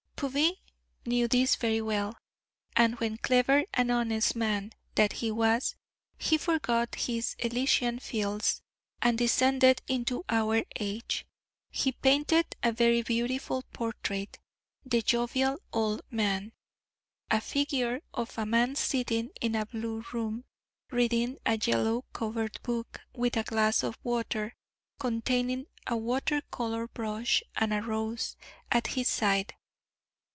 Puvis knew this very well, and when clever and honest man that he was he forgot his Elysian fields, and descended into our age, he painted a very beautiful portrait, "The Jovial Old Man" a figure of a man sitting in a blue room, reading a yellow covered book, with a glass of water, containing a water colour brush and a rose, at his side.